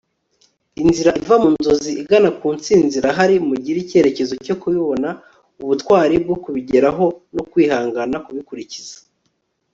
inzira iva mu nzozi igana ku ntsinzi irahari. mugire icyerekezo cyo kubibona, ubutwari bwo kubigeraho, no kwihangana kubikurikiza